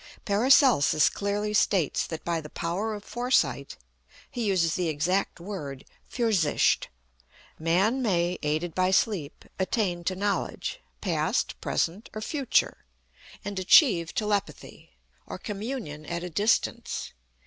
PARACELSUS clearly states that by the power of Foresight he uses the exact word, Fürsicht Man may, aided by Sleep, attain to knowledge past, present or future and achieve Telepathy, or communion at a distance.